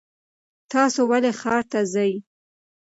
تاسو ولې ښار ته ځئ؟